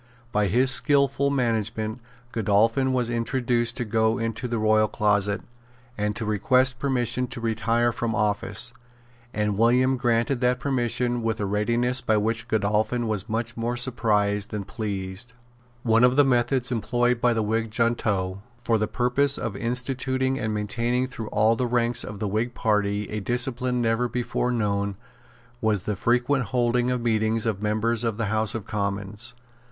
By his skilful management Godolphin was induced to go into the royal closet, and to request permission to retire from office; and William granted that permission with a readiness by which Godolphin was much more surprised than pleased. One of the methods employed by the Whig junto, for the purpose of instituting and maintaining through all the ranks of the Whig party a discipline never before known, was the frequent holding of meetings of members of the House of Commons.